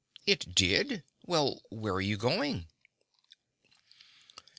"It did? Well, where are you going?"